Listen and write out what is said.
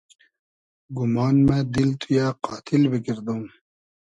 گومان مۂ دیل تو یۂ قاتیل بیگئردوم